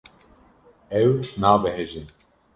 Ew nabehece.